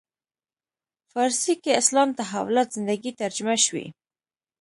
فارسي کې اسلام تحولات زندگی ترجمه شوی.